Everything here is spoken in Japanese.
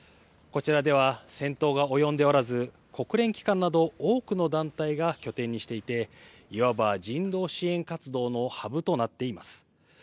こちらでは戦闘が及んでおらず、国連機関など、多くの団体が拠点にしていて、いわば人道支援活動のハブとなっています。